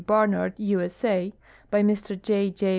Barnard, U. S. A., hy Mr J. J.